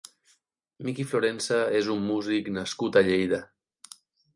Miki Florensa és un músic nascut a Lleida.